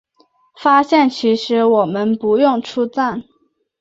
发现其实我们不用出站